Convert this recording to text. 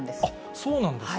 そうなんですか。